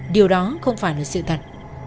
điều đó không phải là sự thật